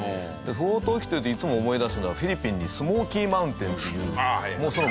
不法投棄というといつも思い出すのはフィリピンにスモーキーマウンテンというゴミの山。